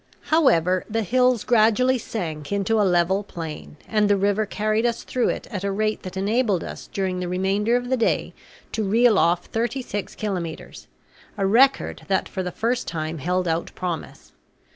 However, the hills gradually sank into a level plain, and the river carried us through it at a rate that enabled us during the remainder of the day to reel off thirty six kilometres, a record that for the first time held out promise.